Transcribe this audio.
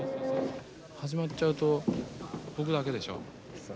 始まっちゃうと僕だけでしょう。